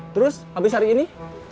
terus habis hari ini